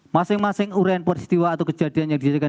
masing masing urean peristiwa atau kejadian yang dijadikan